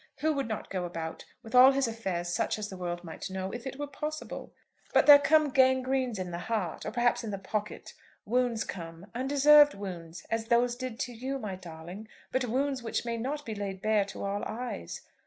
Who would not go about, with all his affairs such as the world might know, if it were possible? But there come gangrenes in the heart, or perhaps in the pocket. Wounds come, undeserved wounds, as those did to you, my darling; but wounds which may not be laid bare to all eyes.